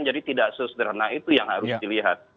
tidak sesederhana itu yang harus dilihat